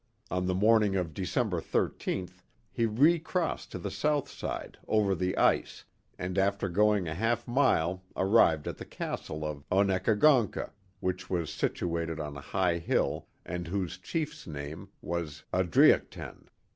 On the morning of December 13th he re crossed to the south side, over the ice, and after going a half mile arrived at the castle of Onekagoncka, which was situated on a high hill, and whose chief's name was Adriochten.